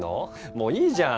もういいじゃん。